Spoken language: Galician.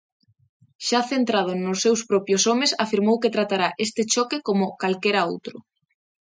Xa centrado nos seus propios homes, afirmou que tratará este choque "como calquera outro".